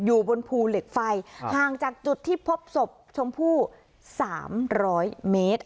อยู่บนภูเหล็กไฟห่างจากจุดที่พบศพชมพู่๓๐๐เมตร